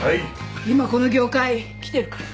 今この業界きてるから。